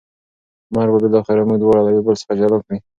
مرګ به بالاخره موږ دواړه له یو بل څخه جلا کړي.